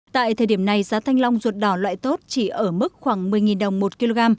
tại thời điểm này giá thanh long ruột đỏ loại tốt chỉ ở mức khoảng một mươi đồng một kg